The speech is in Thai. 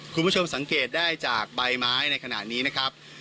คุณผู้ชมสังเกตได้จากใบไม้ในขณะนี้นะครับ